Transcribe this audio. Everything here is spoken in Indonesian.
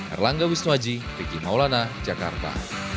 erlangga wisnuaji riki maulana jakarta